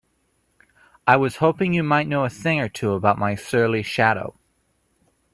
I was hoping you might know a thing or two about my surly shadow?